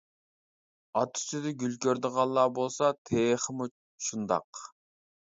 «ئات ئۈستىدە گۈل كۆرىدىغانلار» بولسا تېخىمۇ شۇنداق.